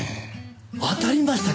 当たりましたか。